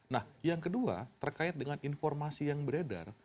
nah yang kedua terkait dengan informasi yang beredar